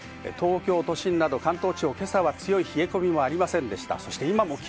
東京都心など関東地方、今朝は強い冷え込みはありませんでした。